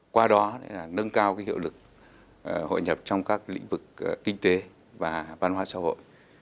qua đó nâng cao hiệu lực hội nhập trong các lĩnh vực kinh tế và văn hóa xã hội